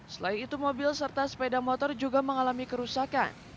selain itu mobil serta sepeda motor juga mengalami kerusakan